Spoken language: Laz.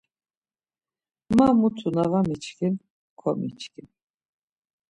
Ma mutu na var miçkin, komiçkin.